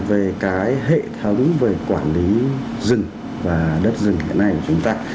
về cái hệ tháo đúng về quản lý rừng và đất rừng hiện nay của chúng ta